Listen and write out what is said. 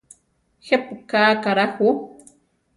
Jepú ka akará jú?